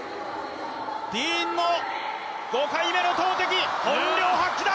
ディーンの５回目の投てき、本領発揮だ！